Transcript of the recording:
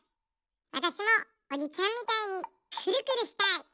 わたしもおじちゃんみたいにクルクルしたい。